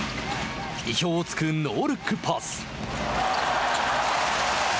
意表をつくノールックパス。